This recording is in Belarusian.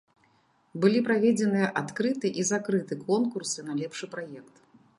Былі праведзеныя адкрыты і закрыты конкурсы на лепшы праект.